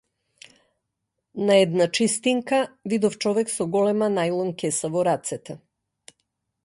На една чистинка, видов човек со голема најлон кеса во рацете.